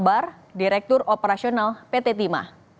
dan jokowi direktur operasional pt timah